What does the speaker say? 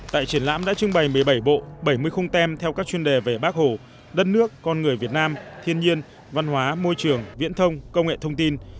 tại triển lãm đã trưng bày một mươi bảy bộ bảy mươi khung tem theo các chuyên đề về bác hồ đất nước con người việt nam thiên nhiên văn hóa môi trường viễn thông công nghệ thông tin